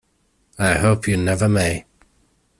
I hope you never may.